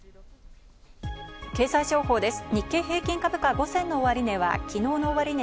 経済情報です。